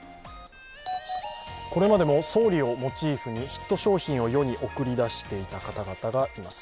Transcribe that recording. これまでも総理をモチーフにヒット商品を世に送り出していた方々がいます。